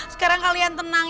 sekarang kalian tenang ya